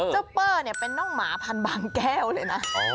เจ้าเปอร์เป็นน่องหมาพันบางแก้วเลยนะ